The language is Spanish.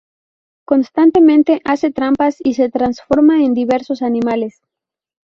Constantemente hace trampas y se transforma en diversos animales.